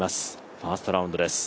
ファーストラウンドです。